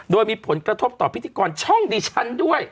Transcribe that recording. โดยมีผลกระทบต่อพิธีกรช่องดิฉันด้วย